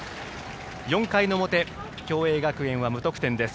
４回の表共栄学園は無得点です。